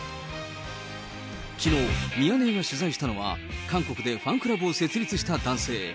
きのう、ミヤネ屋が取材したのは、韓国でファンクラブを設立した男性。